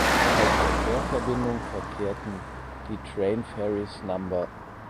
Auf der Fährverbindung verkehrten die Train Ferries No.